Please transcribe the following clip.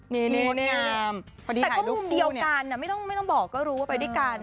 นี่พอดีถ่ายรูปคู่แต่ก็มุมเดียวกันไม่ต้องบอกก็รู้ว่าไปด้วยกัน